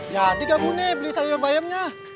jadi kak bune beli sayur bayamnya